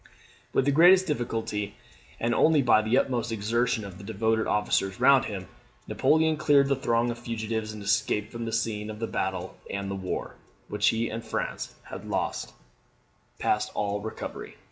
] With the greatest difficulty, and only by the utmost exertion of the devoted officers round him, Napoleon cleared the throng of fugitives, and escaped from the scene of the battle and the war, which he and France had lost past all recovery.